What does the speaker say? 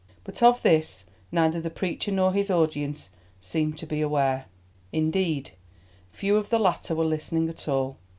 But of this neither the preacher nor his audience seemed to be aware, indeed, few of the latter were listening at all.